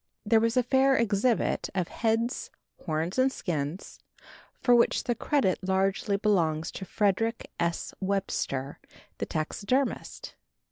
There was a fair exhibit of heads, horns and skins, for which the credit largely belongs to Frederick S. Webster, the taxidermist.